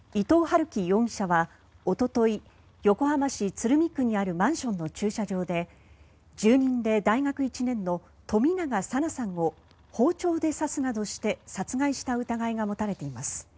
伊藤龍稀容疑者はおととい横浜市鶴見区にあるマンションの駐車場で住人で大学１年の冨永紗菜さんを包丁で刺すなどして殺害した疑いが持たれています。